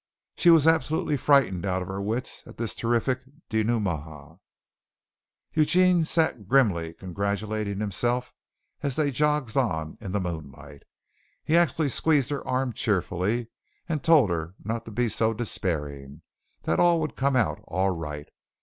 She was absolutely frightened out of her wits at this terrific dénouement. Eugene sat grimly congratulating himself as they jogged on in the moonlight. He actually squeezed her arm cheerfully and told her not to be so despairing that all would come out all right.